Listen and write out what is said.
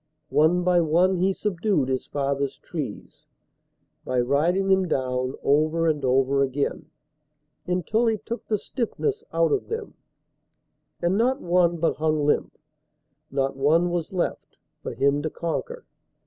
One by one he subdued his father's trees By riding them down over and over again Until he took the stiffness out of them, And not one but hung limp, not one was left For him to conquer.